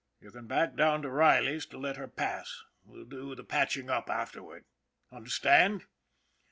You can back down to Riley's to let her pass. We'll do the patching up afterward. Under stand?"